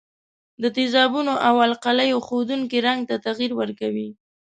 د تیزابونو او القلیو ښودونکي رنګ ته تغیر ورکوي.